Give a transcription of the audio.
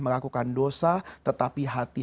melakukan dosa tetapi hati